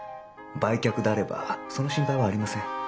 売却であればその心配はありません。